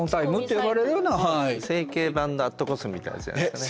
だから整形版のアットコスメみたいなやつじゃないですかね。